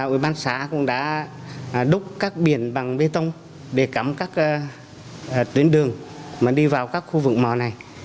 ubx cũng đã đúc các biển bằng bê tông để cắm các tuyến đường mà đi vào các khu vực mỏ này